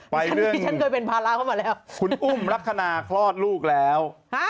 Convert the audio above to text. ไปเรื่องคุณอุ้มรักษณาคลอดลูกแล้ว